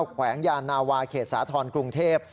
แขวงยานาวาเขตสาธรณ์กรุงเทพ